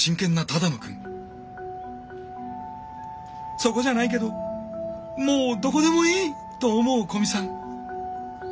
「そこじゃないけどもうどこでもいい！」と思う古見さん。